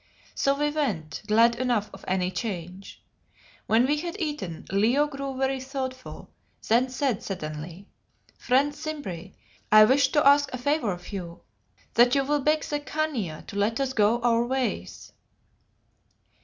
So we went, glad enough of any change. When we had eaten Leo grew very thoughtful, then said suddenly "Friend Simbri, I wish to ask a favour of you that you will beg the Khania to let us go our ways."